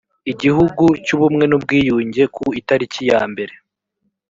igihugu y ubumwe n ubwiyunge ku itariki ya mbere